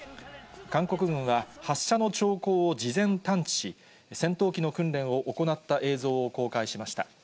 韓国軍は、発射の兆候を事前探知し、戦闘機の訓練を行った映像を公開しました。